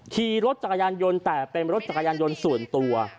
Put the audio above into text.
ขี่รถจักรยานยนต์แต่เป็นรถจักรยานยนต์ส่วนตัว